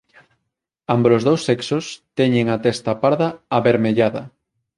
Ámbolos dous sexos teñen a testa parda avermellada.